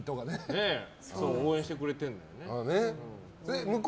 応援してくれてるんだよね。